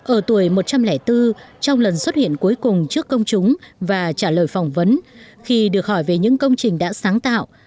ở tuổi một trăm linh bốn trong lần xuất hiện cuối cùng trước công chúng và trả lời phỏng vấn khi được hỏi về những công trình đã sáng tạo